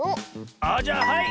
あじゃあはい！